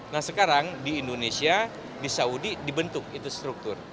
nah sekarang di indonesia di saudi dibentuk itu struktur